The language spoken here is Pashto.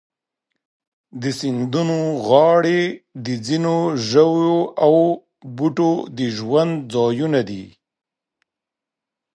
د سیندونو غاړې د ځینو ژوو او بوټو د ژوند ځایونه دي.